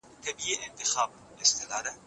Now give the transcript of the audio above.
د څېړني لګښت باید دولت ورکړي.